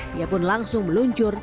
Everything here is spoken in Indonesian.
dia pun langsung meluncur